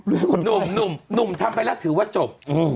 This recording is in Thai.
หนุ่มหนุ่มหนุ่มทำไปแหละถือว่าจบ